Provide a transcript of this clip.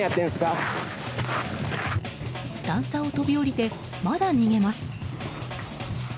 段差を飛び降りてまだ逃げます。